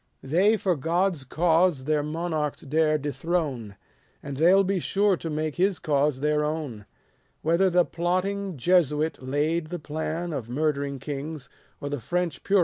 They for God's cause their monarchs dare dethrone, And they '11 be sure to make his cause their own. 200 Whether the plotting Jesuit laid the plan Of murdering kings, or the French Puritan, 1 ' The head,' &c.